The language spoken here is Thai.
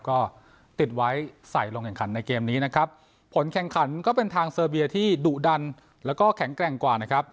ก็ติดไว้ใส่ลงแข่งขันในเกมนี้นะครับผลแข่งขันก็เป็นทางเซอร์เบียที่ดุดันแล้วก็แข็งแกร่งกว่านะครับ